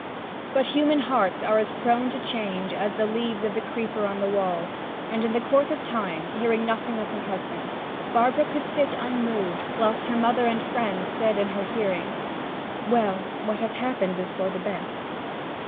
But human hearts are as prone to change as the leaves of the creeper on the wall, and in the course of time, hearing nothing of her husband, Barbara could sit unmoved whilst her mother and friends said in her hearing, 'Well, what has happened is for the best.'